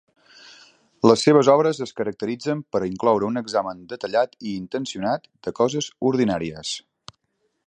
Les seves obres es caracteritzen per incloure un examen detallat i intencionat de coses ordinàries.